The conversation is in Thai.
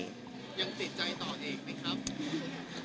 ยังติดใจต่อเองมั้ยครับ